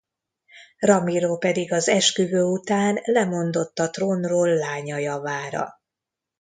Ramiro pedig az esküvő után lemondott a trónról lánya javára.